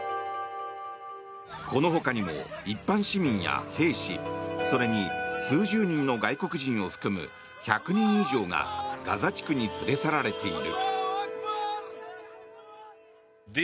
このほかにも一般市民や兵士それに数十人の外国人を含む１００人以上がガザ地区に連れ去られている。